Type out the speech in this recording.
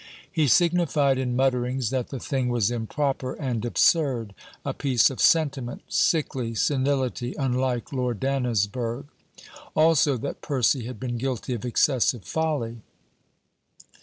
He signified in mutterings that the thing was improper and absurd, a piece of sentiment, sickly senility, unlike Lord Dannisburgh. Also that Percy had been guilty of excessive folly.